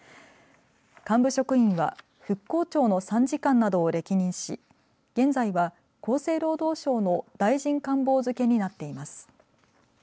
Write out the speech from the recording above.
幹部職員は復興庁の参事官などを歴任し現在は厚生労働省の大臣官房付けになっています。